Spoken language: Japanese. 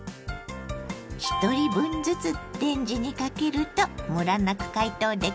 一人分ずつレンジにかけるとムラなく解凍できますよ。